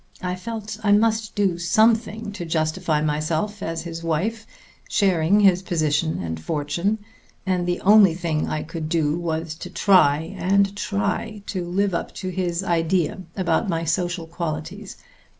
I felt I must do something to justify myself as his wife, sharing his position and fortune; and the only thing I could do was to try, and try, to live up to his idea about my social qualities....